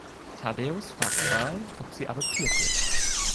Thaddäus fragt Pearl, ob sie adoptiert wird.